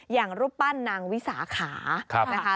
อย่างรูปปั้นนางวิสาขา